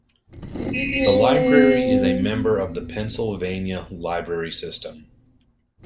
The Library is a member of the Pennsylvania library system.